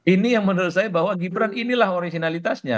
ini yang menurut saya bahwa gibran inilah originalitasnya